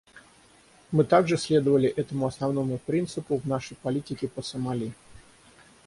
Мы также следовали этому основному принципу в нашей политике по Сомали.